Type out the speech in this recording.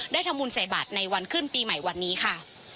ทำบุญใส่บาทในวันขึ้นปีใหม่วันนี้ค่ะ